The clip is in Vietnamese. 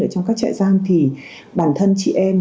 trong các trại giam thì bản thân chị em